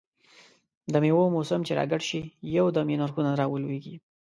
دمېوو موسم چې را ګډ شي، یو دم یې نرخونه را ولوېږي.